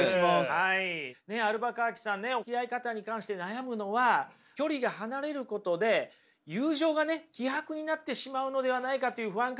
アルバカーキさんねつきあい方に関して悩むのは距離が離れることで友情が希薄になってしまうのではないかという不安からですよね？